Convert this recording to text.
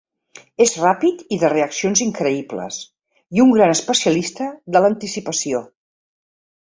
És ràpid i de reaccions increïbles, i un gran especialista de l'anticipació.